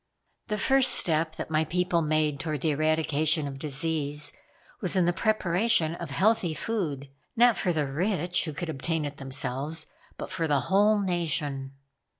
"The first step that my people made toward the eradication of disease was in the preparation of healthy food; not for the rich, who could obtain it themselves, but for the whole nation."